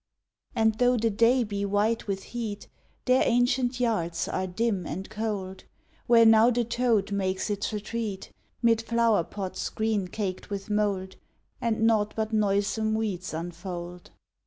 And though the day be white with heat, Their ancient yards are dim and cold; Where now the toad makes its retreat, 'Mid flower pots green caked with mold, And naught but noisome weeds unfold.